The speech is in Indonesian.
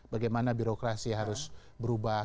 bagaimana birokrasi harus berubah